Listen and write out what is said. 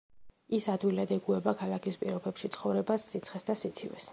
ის ადვილად ეგუება ქალაქის პირობებში ცხოვრებას, სიცხეს და სიცივეს.